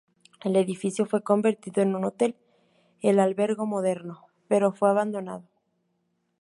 El edificio fue convertido en un hotel, el "Albergo Moderno", pero fue abandonado.